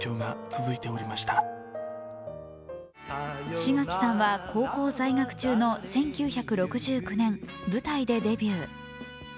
志垣さんは高校在学中の１９６９年舞台でデビュー。